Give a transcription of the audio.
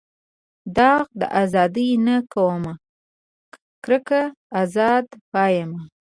داغ د ازادۍ نه کوم کرکه ازاد پایمه.